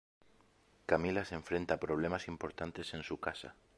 Camila se enfrenta a problemas importantes en su casa.